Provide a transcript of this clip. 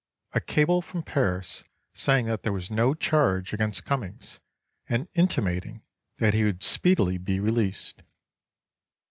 A cable from Paris saying that there was no charge against Cummings and intimating that he would speedily be released.